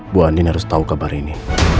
bu andi harus tau kabar ini